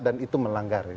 dan itu melanggar